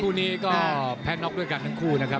คู่นี้ก็แพ้น็อกด้วยกันทั้งคู่นะครับ